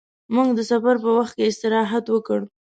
موږ د سفر په وخت کې استراحت وکړ.